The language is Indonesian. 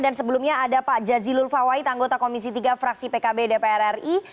dan sebelumnya ada pak jazilul fawai tanggota komisi tiga fraksi pkb dpr ri